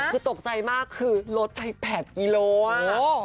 คือตกใจมากคือรถไปแผ่นกี่โลกรัมอ่ะ